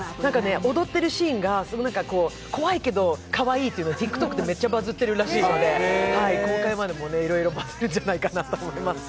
踊ってる動画が怖いけどかわいいって、ＴｉｋＴｏｋでめっちゃバズってるらしいので、公開までもいろいろバズるんじゃないかなと思います。